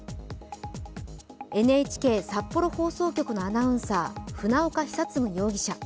ＮＨＫ札幌放送局のアナウンサー、船岡久嗣容疑者。